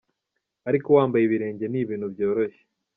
Ariko wambaye ibirenge ni ibintu byoroshye.